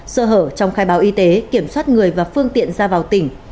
sơ hở trong khai báo y tế kiểm soát người và phương tiện ra vào tỉnh